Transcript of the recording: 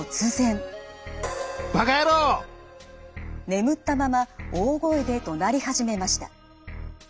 眠ったまま大声でどなり始めました。